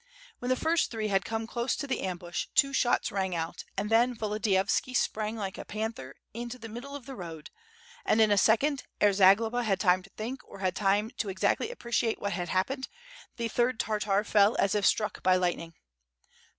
When the first three had come close to the ambush, two shots rang out, and then Volodiyovski sprang like a panther into the middle of the road, and in a second, ere Zagloba had time to think, or had time to exactly appreciate what had happened, the third Tartar fell as if struck by lightning.